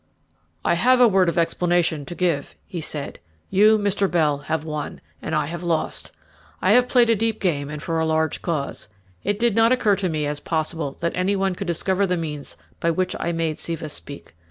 "I have a word of explanation to give," he said. "You, Mr. Bell, have won, and I have lost. I played a deep game and for a large cause. It did not occur to me as possible that any one could discover the means by which I made Siva speak.